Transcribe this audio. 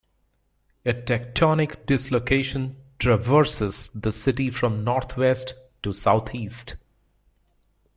A tectonic dislocation traverses the city from north-west to south-east.